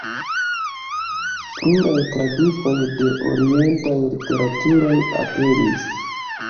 Pluraj tradukoj de orientaj literaturoj aperis.